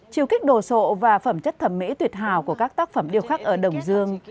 chiều kích đồ sộ và phẩm chất thẩm mỹ tuyệt hào của các tác phẩm điêu khắc ở đồng dương